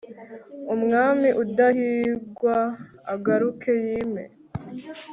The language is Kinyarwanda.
umwami udahigwa agaruke yime